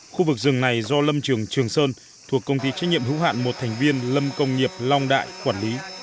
khu vực rừng này do lâm trường trường sơn thuộc công ty trách nhiệm hữu hạn một thành viên lâm công nghiệp long đại quản lý